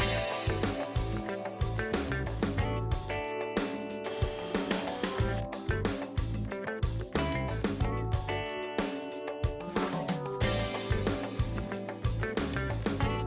ini adalah barang barang yang terbuka